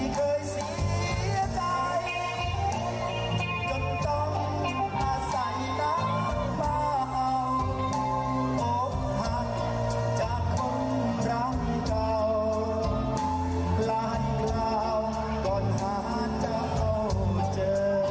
เคยเสียใจจนต้องอาศัยน้ำเปล่าโอ้หักจะคงรักเก่าร้านเกลาก่อนหาเจ้าเข้าเจอ